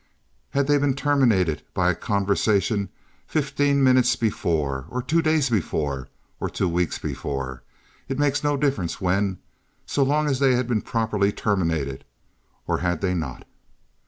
Had they been terminated by a conversation fifteen minutes before or two days before or two weeks before—it makes no difference when, so long as they had been properly terminated—or had they not?